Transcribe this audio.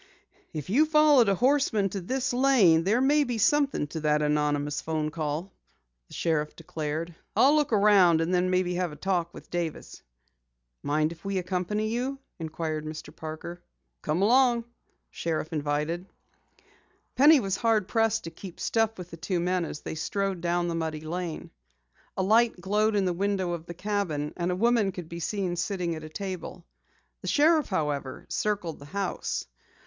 "If you followed a horseman to this lane there may be something to that anonymous telephone call," the sheriff declared. "I'll look around, and then have a talk with Davis." "Mind if we accompany you?" inquired Mr. Parker. "Come along," the sheriff invited. Penny was hard pressed to keep step with the two men as they strode down the muddy lane. A light glowed in the window of the cabin, and a woman could be seen sitting at a table. The sheriff, however, circled the house.